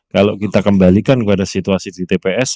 kalau kita kembalikan kepada situasi di tps